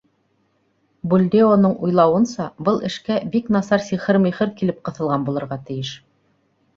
Бульдеоның уйлауынса, был эшкә бик насар сихыр-михыр килеп ҡыҫылған булырға тейеш.